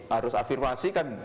harus afirmasi kan